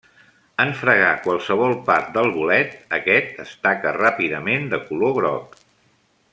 En fregar qualsevol part del bolet, aquest es taca ràpidament de color groc.